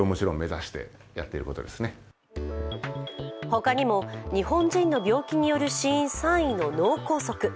ほかにも日本人の病気による死因３位の脳梗塞。